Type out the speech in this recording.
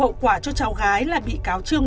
hậu quả cho cháu gái là bị cáo chương